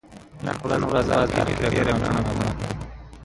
The parish consists of three hamlets: Upper Weald, Middle Weald and Lower Weald.